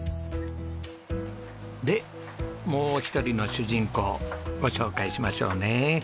でもう一人の主人公ご紹介しましょうね。